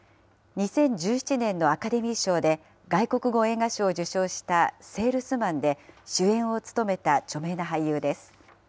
２０１７年のアカデミー賞で外国語映画賞を受賞したセールスマンで主演を務めた著名な俳優です。